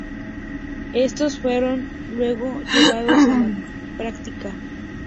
Estos fueron luego llevados a la práctica.